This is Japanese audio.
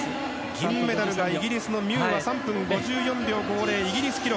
銀メダルがイギリスのミューア３分５４秒５０、イギリス記録。